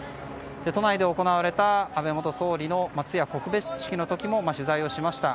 都内で行われた安倍元総理の通夜・告別式の時も取材をしました。